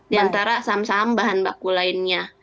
di antara saham saham bahan baku lainnya